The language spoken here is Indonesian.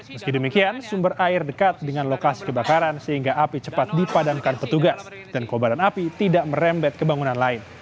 meski demikian sumber air dekat dengan lokasi kebakaran sehingga api cepat dipadamkan petugas dan kobaran api tidak merembet ke bangunan lain